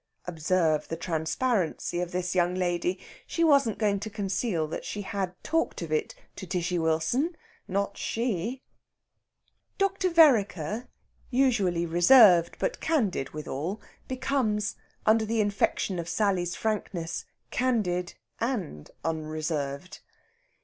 Observe the transparency of this young lady. She wasn't going to conceal that she had talked of it to Tishy Wilson not she! Dr. Vereker, usually reserved, but candid withal, becomes, under the infection of Sally's frankness, candid and unreserved.